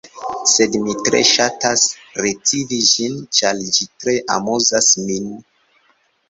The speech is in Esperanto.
Sed mi tre ŝatas recivi ĝin, ĉar ĝi tre amuzas min.